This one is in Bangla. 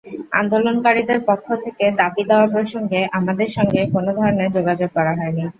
আন্দোলনকারীদের পক্ষ থেকে দাবিদাওয়া প্রসঙ্গে আমাদের সঙ্গে কোনো ধরনের যোগাযোগ করা হয়নি।